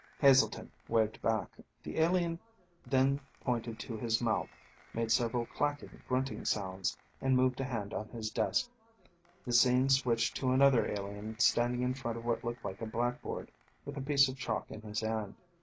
Heselton waved back. The alien then pointed to his mouth, made several clacking grunting sounds, and moved a hand on his desk. The scene switched to another alien standing in front of what looked like a blackboard, with a piece of chalk in his hand.